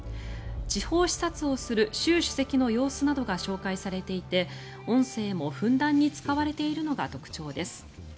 地方視察をする習主席の様子などが紹介されていて音声もふんだんに使われているのが特徴です。